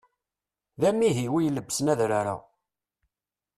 D amihi wi ilebsen adrar-a.